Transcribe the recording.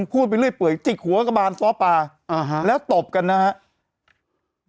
พูดไปเรื่อยติดหัวกระบานซ้อปลาแล้วตบกันนะฮะ